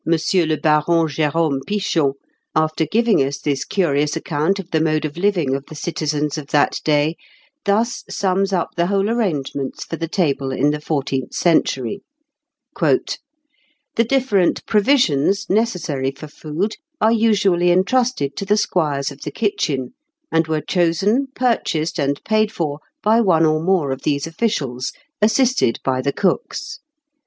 le Baron Jerôme Pichon, after giving us this curious account of the mode of living of the citizens of that day, thus sums up the whole arrangements for the table in the fourteenth century: "The different provisions necessary for food are usually entrusted to the squires of the kitchen, and were chosen, purchased, and paid for by one or more of these officials, assisted by the cooks.